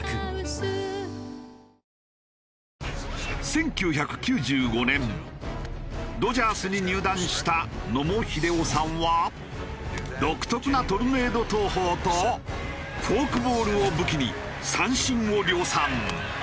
１９９５年ドジャースに入団した野茂英雄さんは独特なトルネード投法とフォークボールを武器に三振を量産。